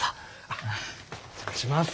あっお邪魔します。